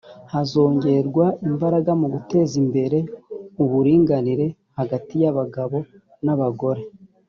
hazongerwa imbaraga mu guteza imbere uburinganire hagati y’abagabo n’abagore